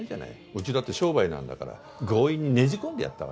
うちだって商売なんだから強引にねじ込んでやったわよ。